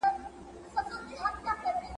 ¬ رشتيا خبري يا مست کوي، يا لېونى.